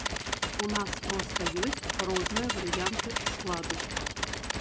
У нас проста ёсць розныя варыянты складу.